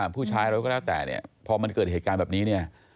พอมันเกิดเหตุการณ์แบบนี้